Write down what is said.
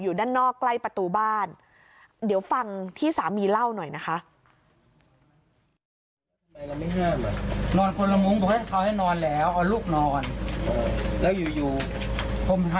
ด้านนอกใกล้ประตูบ้านเดี๋ยวฟังที่สามีเล่าหน่อยนะคะ